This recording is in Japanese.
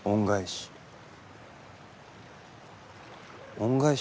恩返し。